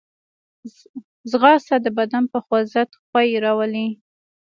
ځغاسته د بدن په خوځښت خوښي راولي